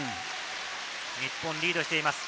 日本がリードしています。